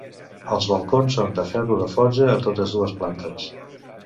Els balcons són de ferro de forja a totes dues plantes.